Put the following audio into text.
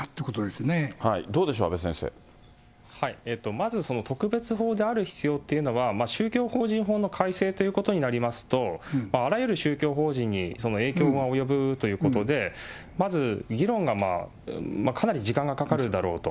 まずその特別法である必要っていうのは、宗教法人法の改正っていうことになりますと、あらゆる宗教法人に影響が及ぶということで、まず、議論がかなり時間がかかるだろうと。